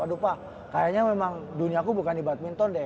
aduh pak kayaknya memang duniaku bukan di badminton deh